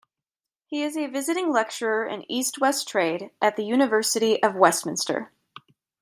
He is a visiting lecturer in East-West Trade at the University of Westminster.